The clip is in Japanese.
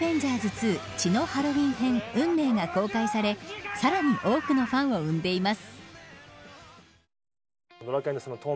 ２血のハロウィン編、運命が公開されさらに多くのファンを生んでいます。